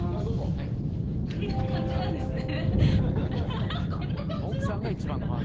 アハハッこんな感じなんですね